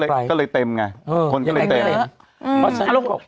ไฟก็เลยเต็มอ่ะคนก็เลยเต็ม